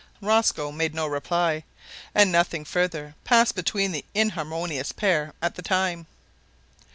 Rosco made no reply, and nothing further passed between the inharmonious pair at that time.